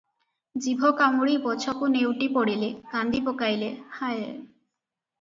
ଜିଭ କାମୁଡ଼ି ପଛକୁ ନେଉଟି ପଡ଼ିଲେ, କାନ୍ଦି ପକାଇଲେ, ‘ହାୟ!